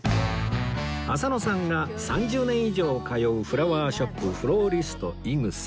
浅野さんが３０年以上通うフラワーショップフローリストイグサ